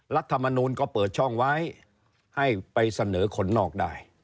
รัฐมนูลก็เปิดช่องไว้ให้ไปเสนอคนนอกได้